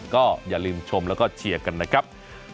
ก็อย่าลืมชมแล้วก็เชียร์กันนะครับ